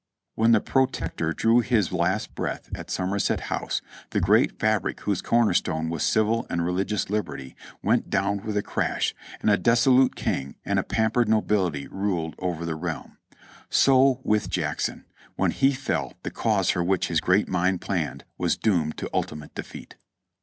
When the Protector drew his last breath at Somerset House the great fabric w^hose cornerstone was civil and religious liberty went down with a crash and a dissolute king and a pampered no bility ruled over the realm. So with Jackson ; when he fell the cause for which his great mind planned was doomed to ultimate defeat.